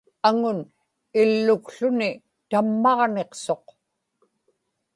aŋun illukłuni tammaġniqsuq